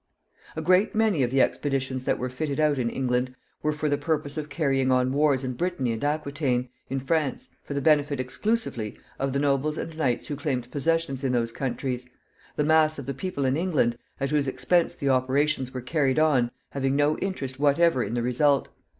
A great many of the expeditions that were fitted out in England were for the purpose of carrying on wars in Brittany and Aquitaine, in France, for the benefit exclusively of the nobles and knights who claimed possessions in those countries; the mass of the people of England, at whose expense the operations were carried on, having no interest whatever in the result.